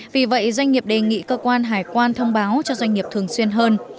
vì vậy doanh nghiệp đề nghị cơ quan hải quan thông báo cho doanh nghiệp thường xuyên hơn